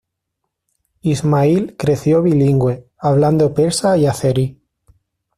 Ismāʽīl creció bilingüe, hablando persa y azerí.